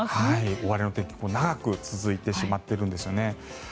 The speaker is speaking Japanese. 大荒れの天気、長く続いてしまっているんですね。